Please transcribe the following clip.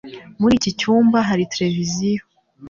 Muri iki cyumba hari televiziyo.